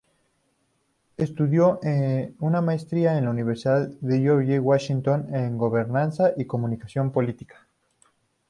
Estudió una Maestría en la Universidad George Washington en Gobernanza y Comunicación Política.